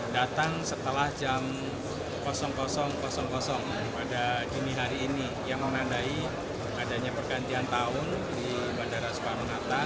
datang setelah jam pada dini hari ini yang menandai adanya pergantian tahun di bandara soekarno hatta